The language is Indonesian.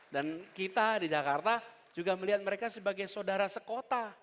dan kita di jakarta juga melihat mereka sebagai saudara sekota